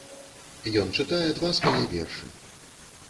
Ён чытае два свае вершы.